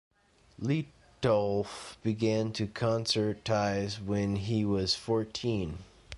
Litolff began to concertize when he was fourteen.